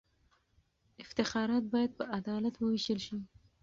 افتخارات باید په عدالت ووېشل سي.